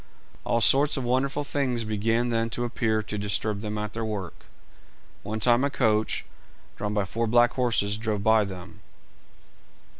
All sorts of wonderful things began then to appear to disturb them at their work. One time a coach, drawn by four black horses, drove by them.